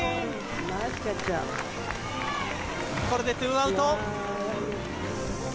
これで２アウト！